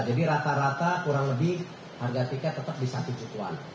jadi rata rata kurang lebih harga tiket tetap di satu jutaan